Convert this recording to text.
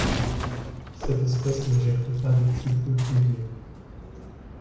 Cette espèce n'éjecte pas de tubes de Cuvier.